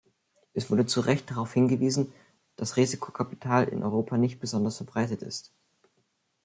Es wurde zu Recht darauf hingewiesen, dass Risikokapital in Europa nicht besonders verbreitet ist.